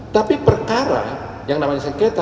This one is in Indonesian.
tapi perkara yang namanya sengketa